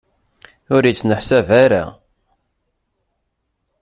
Ur yettneḥsab ara.